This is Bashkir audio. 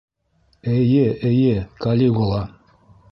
Эйе, эйе, Калигула!